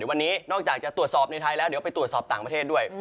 วันนี้นอกจากจะตรวจสอบในไทยแล้วเดี๋ยวไปตรวจสอบต่างประเทศด้วย